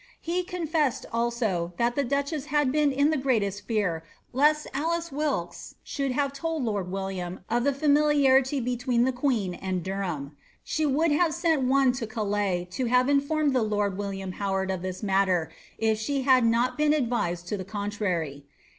He confessed, also, that the duchess bad been in the greatest fear lest Alice VVilks should have told lord WilUam of the fatt liarity between the queen and Derhaou She would have seal one to Calais to have informed the lord William Howard of this matter, if ihe had not been advised to the contrary.